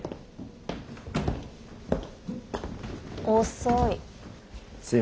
遅い。